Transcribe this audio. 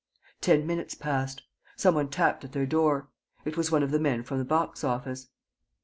Ten minutes passed. Some one tapped at their door. It was one of the men from the box office.